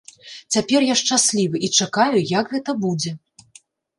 Цяпер я шчаслівы і чакаю, як гэта будзе.